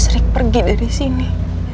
rik pergi dari sini